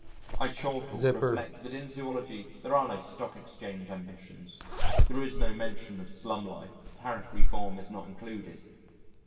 I chortle to reflect that in zoology there are no stock exchange ambitions, there is no mention of slum life, Tariff Reform is not included.